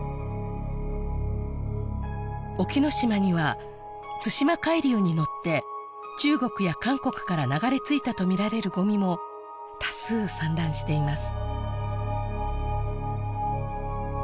隠岐の島には対馬海流に乗って中国や韓国から流れ着いたと見られるごみも多数散乱しています